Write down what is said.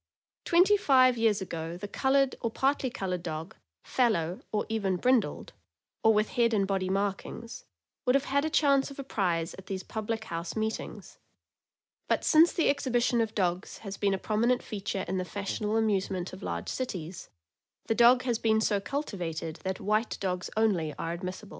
Twenty five years ago the colored or partly colored dog, fallow, or even brindled, or with head and body markings, would have had a chance of a prize at these public house meetings; but since the exhibition of dogs has been a prominent feature in the fashionable amusements of large cities, the dog has been so cultivated that white dogs only are admissible.